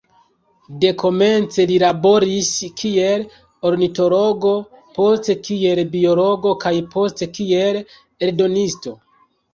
Dekomence li laboris kiel ornitologo, poste kiel biologo, kaj poste kiel eldonisto.